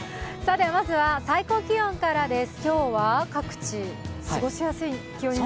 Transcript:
まずは最高気温からです。